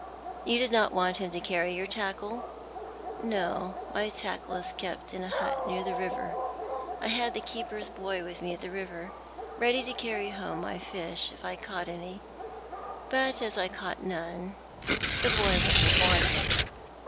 " You did not want him to carry your tackle ?"" No, my tackle is kept in a hut near tlie river. I had the keeper's boy with me at the river, ready to carry home my fish, if J caught any; but as I caught none the boy wasn't wanted."